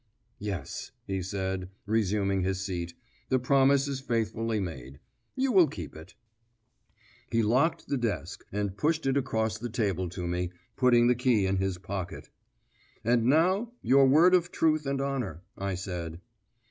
"Yes," he said, resuming his seat, "the promise is faithfully made. You will keep it." He locked the desk, and pushed it across the table to me, putting the key in his pocket. "And now, your word of truth and honour," I said.